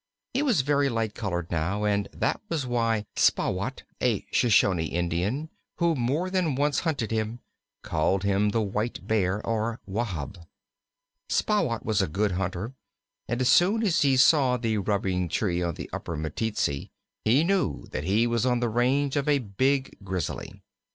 He was very light colored now, and this was why Spahwat, a Shoshone Indian who more than once hunted him, called him the Whitebear, or Wahb. Spahwat was a good hunter, and as soon as he saw the rubbing tree on the Upper Meteetsee he knew that he was on the range of a big Grizzly.